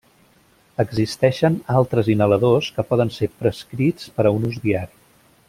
Existeixen altres inhaladors que poden ser prescrits per a un ús diari.